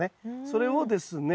それをですね